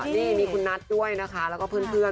นี่มีคุณนัทด้วยนะคะแล้วก็เพื่อน